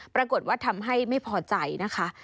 ปรากฏว่าทำให้ไม่พอใจนะคะ